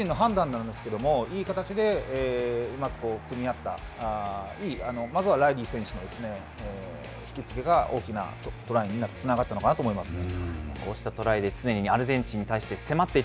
個人の判断なんですけれども、いい形でうまく組み合った、いい、まずはライリー選手の引き付けが大きなトライにつながったのかなと思いますね。